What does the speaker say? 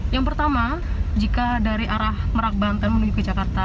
yang pertama jika dari arah merak banten menuju ke jakarta